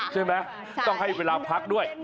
ใช่ไหมต้องให้เวลาพักด้วย